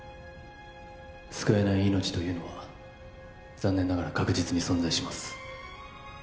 救えない命というのは残念ながら確実に存在します